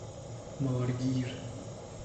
مار گیر